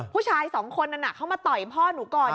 ผู้ชายสองคนนั้นเขามาต่อยพ่อหนูก่อน